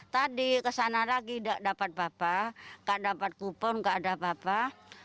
tadi kesana lagi gak dapat bapak gak dapat kupon gak ada apa apa